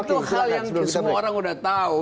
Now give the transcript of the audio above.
itu hal yang semua orang udah tahu